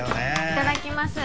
いただきます